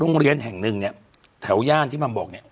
โรงเรียนแห่งหนึ่งเนี่ยแถวย่านที่มัมบอกเนี่ย